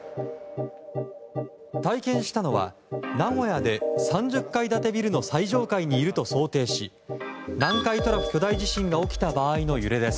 体験したのは、名古屋で３０階建てビルの最上階にいると想定し南海トラフ巨大地震が起きた場合の揺れです。